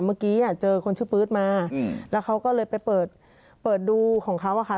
เมื่อกี้เจอคนชื่อปื๊ดมาแล้วเขาก็เลยไปเปิดเปิดดูของเขาอะค่ะ